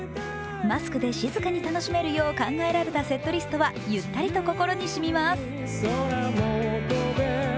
マスクで静かに楽しめるよう考えられたセットリストはゆったりと心にしみます。